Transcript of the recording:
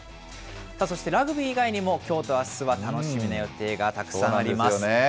そしてラグビー以外にもきょうとあすは楽しみな予定がたくさんあります。